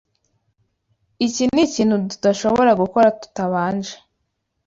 Iki nikintu tudashobora gukora tutabanje.